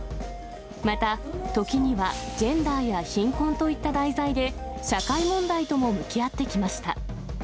また、ときにはジェンダーや貧困といった題材で、社会問題とも向き合ってきました。